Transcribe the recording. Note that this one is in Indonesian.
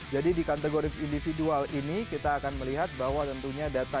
jadi di kategori individual ini kita akan melihat bahwa tentunya data